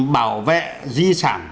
bảo vệ di sản